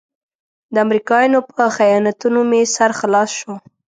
د امريکايانو په خیانتونو مې سر خلاص شو.